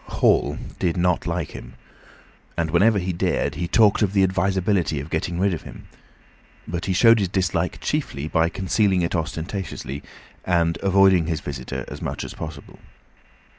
Hall did not like him, and whenever he dared he talked of the advisability of getting rid of him; but he showed his dislike chiefly by concealing it ostentatiously, and avoiding his visitor as much as possible.